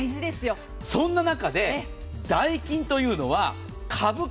そんな中でダイキンというのは株価。